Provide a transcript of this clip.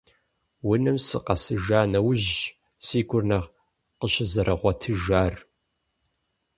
Унэм сыкъэсыжа нэужьщ си гур нэхъ къыщызэрыгъуэтыжар.